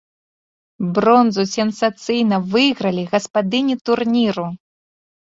Бронзу сенсацыйна выйгралі гаспадыні турніру.